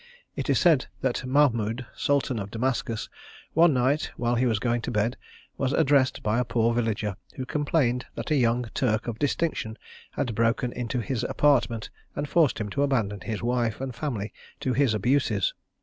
It is said that Mahmoud, Sultan of Damascus, one night while he was going to bed, was addressed by a poor villager, who complained that a young Turk of distinction had broken into his apartment, and forced him to abandon his wife and family to his abuses.